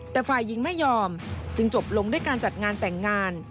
แต่ฝ่ายหญิงไม่ยอมจึงจบลงด้วยการจัดงานแต่งงาน